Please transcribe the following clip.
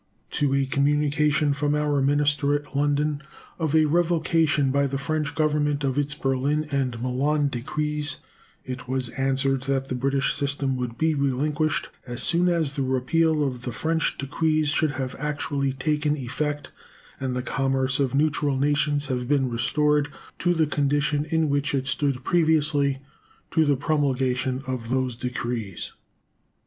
To a communication from our minister at London of a revocation by the French Government of its Berlin and Milan decrees it was answered that the British system would be relinquished as soon as the repeal of the French decrees should have actually taken effect and the commerce of neutral nations have been restored to the condition in which it stood previously to the promulgation of those decrees.